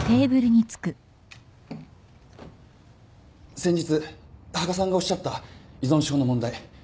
先日羽賀さんがおっしゃった依存症の問題。